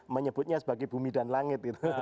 menyebutnya sebagai bumi dan langit